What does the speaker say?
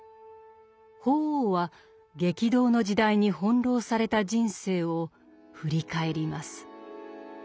法皇は激動の時代に翻弄された人生を振り返ります。